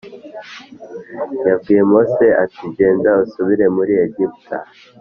yabwiye Mose ati genda usubire muri Egiputa.